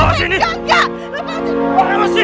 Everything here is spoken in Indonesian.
t utilis buang gajah